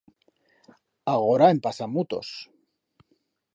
Agora en pasa mutos.